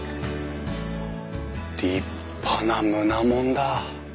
立派な棟門だ。